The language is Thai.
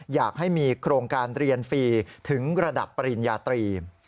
อยากให้มีโครงการเรียนฟรีถึงระดับปริญญาตรี